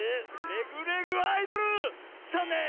「レグ・レグ・アイドル」ざんねん！